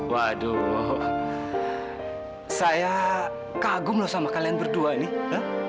waduh saya kagum loh sama kalian berdua nih